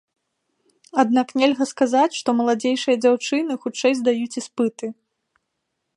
Аднак нельга сказаць, што маладзейшыя дзяўчыны хутчэй здаюць іспыты.